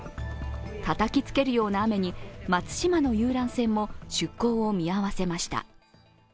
たたきつけるような雨に松島の遊覧船も出航を見合わせました。